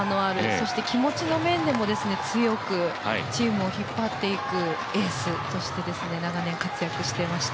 そして気持ちの面でも、強くチームを引っ張っていくエースとして長年、活躍していました。